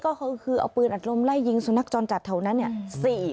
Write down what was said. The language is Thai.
ก็คือเอาปืนอัดลมไล่ยิงสุนัขจรจัดแถวนั้นเนี่ย